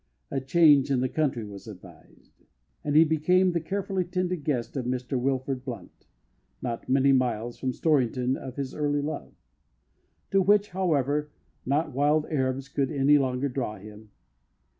A change to the country was advised; and he became the carefully tended guest of Mr Wilfrid Blunt not many miles from the Storrington of his early love, to which, however, not wild arabs could any longer draw him.